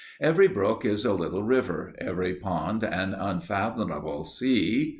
Every brook is a little river, every pond an unfathomable sea.